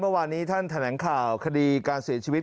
เมื่อวานนี้ท่านแถลงข่าวคดีการเสียชีวิต